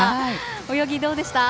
泳ぎどうでした？